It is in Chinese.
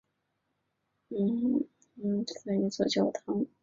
贝弗利大教堂是位于英国英格兰东约克郡贝弗利的一座教堂。